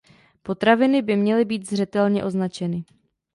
Potraviny by měly být zřetelně označeny.